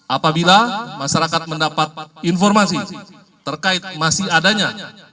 apabila masyarakat mendapat informasi terkait masih adanya